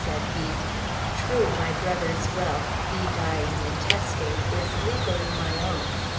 said he. "True, my brother's wealth he dying intestate is legally my own.